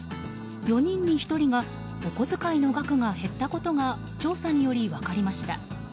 ４人に１人がお小遣いの額が減ったことが調査により分かりました。